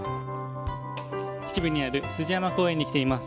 秩父にある羊山公園に来ています。